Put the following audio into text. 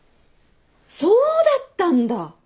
そうだったんだ！